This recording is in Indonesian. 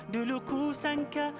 dulu ku sangka